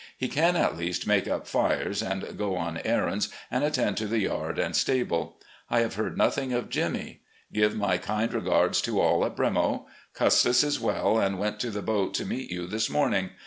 He can at least make up fires, and go on errands, and attend to the yard and stable. I have heard nothing of Jimmy. Give my kind regards to all at 'Bremo.' Custis is well and went to the boat to meet you this morning.